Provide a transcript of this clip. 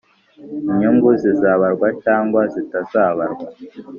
inyungu zizabarwa cyangwa zitazabarwa